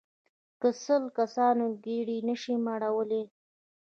که د سل کسانو ګېډې نه شئ مړولای.